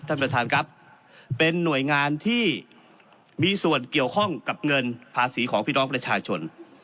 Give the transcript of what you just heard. ท่านประธานครับเป็นหน่วยงานที่มีส่วนเกี่ยวข้องกับเงินภาษีของพี่น้องประชาชน